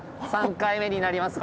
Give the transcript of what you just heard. ３回目になります